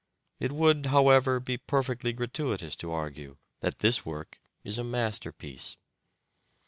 It would, however, be perfectly gratuitous to argue that this work is a masterpiece.